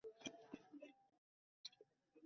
এখানে থাকা আত্মঘাতির শামিল।